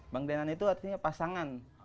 banggelenan itu artinya pasangan